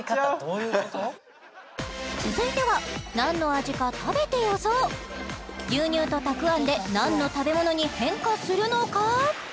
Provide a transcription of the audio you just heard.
続いては何の味か食べて予想牛乳とたくあんで何の食べ物に変化するのか？